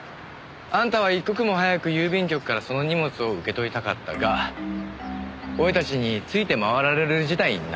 あんたは一刻も早く郵便局からその荷物を受け取りたかったが俺たちについて回られる事態になってしまった。